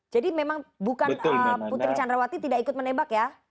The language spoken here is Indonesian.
jadi memang bukan putri candrawati tidak ikut menembak ya